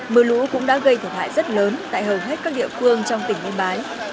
mưa lũ cũng đã gây thiệt hại rất lớn tại hầu hết các địa phương trong tỉnh yên bái